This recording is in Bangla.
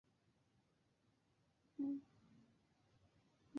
একটি ডাক ধর্মঘটের কারণে, প্রতিটি গানের জন্য আঞ্চলিক ভোট ঘোষণা করা হয়েছিল।